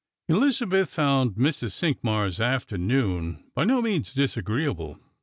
_ Elizabeth found Mrs. Cinqmars' afternoon by no means disagreeable.